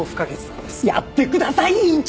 やってください院長！